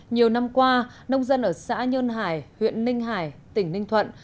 nhiều năm qua nông dân ở xã nhơn hải huyện ninh hải tỉnh ninh thuận